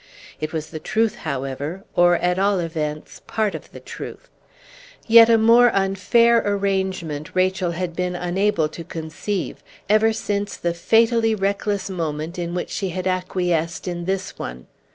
It was the truth, however, or, at all events, part of the truth. Yet a more unfair arrangement Rachel had been unable to conceive, ever since the fatally reckless moment in which she had acquiesced in this one.